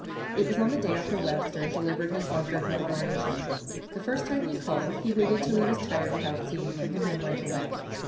It was on the day after Webster delivered his Bunker Hill oration. The first time he called he waited till he was tired without seeing him, and then went away.